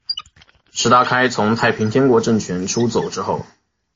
石达开从太平天国政权出走之后。